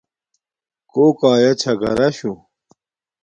کوک آیا چھا گھراشُو